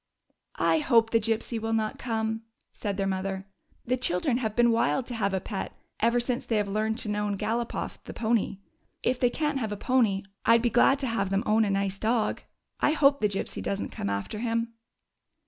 " I hope the Gypsy will not come," said their mother. " The children have been wild to have a pet ever since they have learned to known Galopoff, the pony. If they can't have a pony, I 'd be glad to have them own a nice dog. I hope the Gypsy does n't come after him."